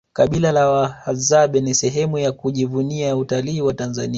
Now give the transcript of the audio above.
kabila la wadadzabe ni sehemu ya kujivunia ya utalii wa tanzania